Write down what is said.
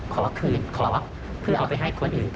ขอคืนขอเพื่อเอาไปให้คนอื่นต่อ